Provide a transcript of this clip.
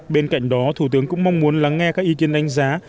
bên cạnh đó thủ tướng cũng mong muốn lắng nghe các ý kiến đánh giá